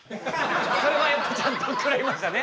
それはやっぱちゃんと怒られましたね。